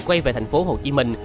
quay về thành phố hồ chí minh